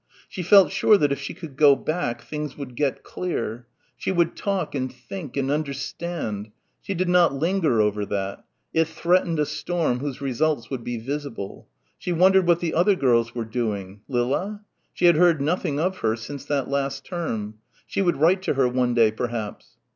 She felt sure that if she could go back, things would get clear. She would talk and think and understand.... She did not linger over that. It threatened a storm whose results would be visible. She wondered what the other girls were doing Lilla? She had heard nothing of her since that last term. She would write to her one day, perhaps.